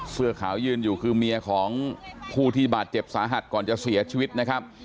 เสื้อขาวยืนอยู่คือเมียของผู้ที่บาดเจ็บสาหัสก่อนจะเสียชีวิตนะครับ